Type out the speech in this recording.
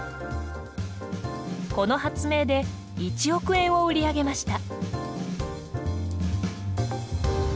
この発明で１億円を売り上げました。